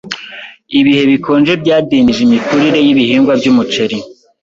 Ibihe bikonje byadindije imikurire y ibihingwa byumuceri.